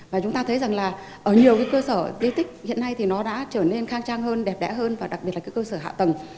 và chúng ta thấy rằng là ở nhiều cơ sở di tích hiện nay thì nó đã trở nên khang trang hơn đẹp đẽ hơn và đặc biệt là cái cơ sở hạ tầng